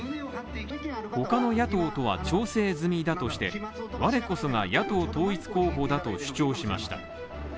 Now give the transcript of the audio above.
ほかの野党とは調整済みだとして我こそが野党統一候補だと主張しました。